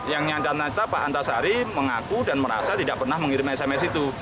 yang nyata nyata pak antasari mengaku dan merasa tidak pernah mengirim sms itu